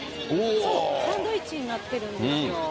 サンドイッチになってるんですよ。